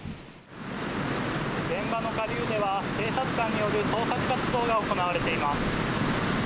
現場の下流では警察官による捜索活動が行われています。